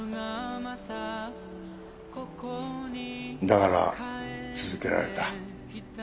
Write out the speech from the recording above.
だから続けられた。